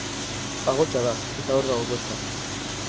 Pagotxa da, eta hor dago koxka.